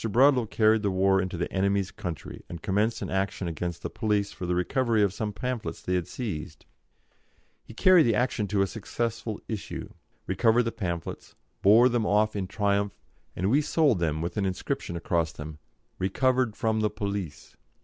Bradlaugh carried the war into the enemy's country, and commenced an action against the police for the recovery of some pamphlets they had seized; he carried the action to a successful issue, recovered the pamphlets, bore them off in triumph, and we sold them all with an inscription across them, "Recovered from the police."